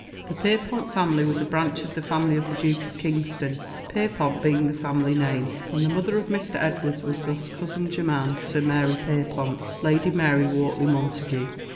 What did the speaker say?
The Pierrepont family was a branch of the family of the Duke of Kingston, (Pierrepont being the family name;) and the mother of Mr. Edwards was thus cousin german to Mary Pierrepont, (Lady Mary Wortley Montague.)